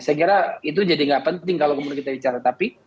saya kira itu jadi nggak penting kalau kemudian kita bicara tapi